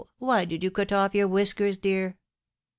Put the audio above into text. why did you cut off your whiskers, dear